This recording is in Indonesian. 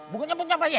bunganya punya apa ya